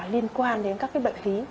liên quan đến các bệnh phí